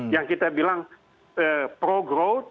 yang kita bilang pro kekehidupan masyarakat kecil kan begitu bung